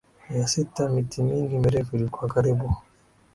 ya sita Miti mingi mirefu ilikuwa karibu